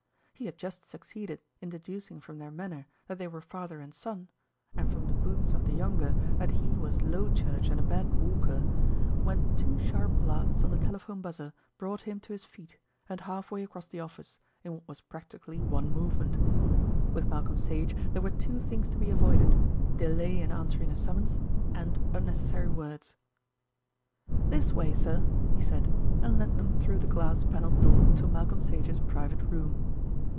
He had just succeeded in deducing from their manner that they were father and son, and from the boots of the younger that he was low church and a bad walker, when two sharp blasts on the telephone buzzer brought him to his feet and half way across the office in what was practically one movement. With Malcolm Sage there were two things to be avoided, delay in answering a summons, and unnecessary words. "This way, sir," he said, and led them through the glass panelled door to Malcolm Sage's private room.